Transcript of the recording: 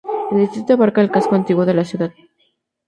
El distrito abarca el casco antiguo de la ciudad.